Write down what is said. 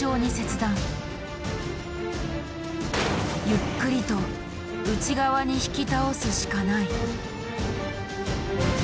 ゆっくりと内側に引き倒すしかない。